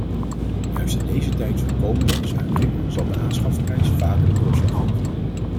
Juist in deze tijd van komende bezuinigingen zal de aanschafprijs vaker de doorslag geven.